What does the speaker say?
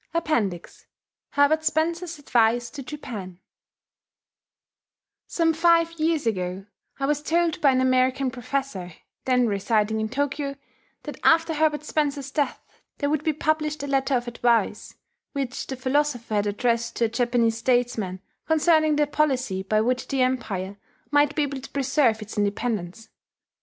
APPENDIX HERBERT SPENCER'S ADVICE TO JAPAN Some five years ago I was told by an American professor, then residing in Tokyo, that after Herbert Spencer's death there would be published a letter of advice, which the philosopher had addressed to a Japanese statesman, concerning the policy by which the Empire might be able to preserve its independence.